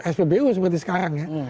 spbu seperti sekarang ya